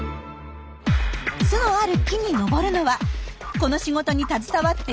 巣のある木に登るのはこの仕事に携わって１０年以上のベテラン。